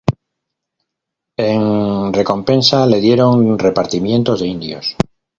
En recompensa le dieron repartimientos de indios.